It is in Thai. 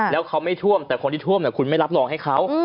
แล้วเขาไม่ท่วมแต่คนที่ท่วมคุณไม่รับรองให้เขา